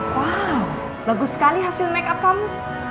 wow bagus sekali hasil makeup kamu